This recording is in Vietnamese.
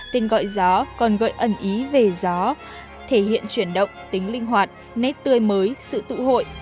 tên gọi gió còn gọi ẩn ý về gió thể hiện chuyển động tính linh hoạt nét tươi mới sự tụ hội